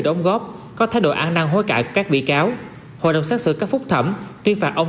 đóng góp có thay đổi an năng hối cãi của các bị cáo hội đồng xét xử các phúc thẩm tuyên phạt ông